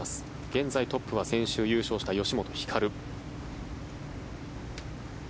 現在トップは先週優勝した吉本ひかる。